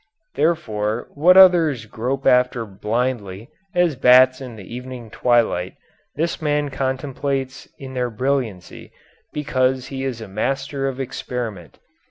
Therefore what others grope after blindly, as bats in the evening twilight, this man contemplates in their brilliancy because he is a master of experiment.